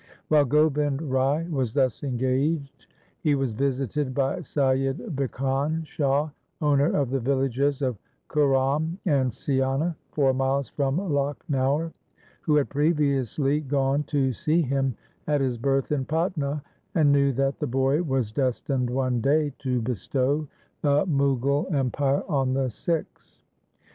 While Gobind Rai was thus engaged he was visited by Saiyid Bhikan Shah — owner of the villages of Kuhram and Siana four miles from Lakhnaur — who had previously gone to see him at his birth in Patna, and knew that the boy was destined one day to bestow the Mughal LIFE OF GURU TEG BAHADUR 367 empire on the Sikhs.